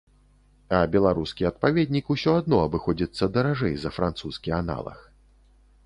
А беларускі адпаведнік ўсё адно абыходзіцца даражэй за французскі аналаг.